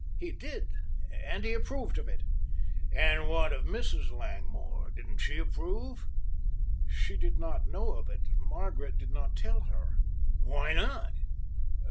"He did, and he approved of it." "And what of Mrs. Langmore, didn't she approve?" "She did not know of it. Margaret did not tell her." "Why not?"